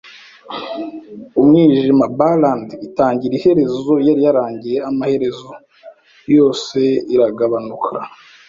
umwijima. Ballad itagira iherezo yari yarangiye amaherezo, yose iragabanuka